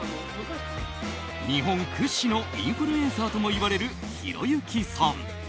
日本屈指のインフルエンサーともいわれるひろゆきさん。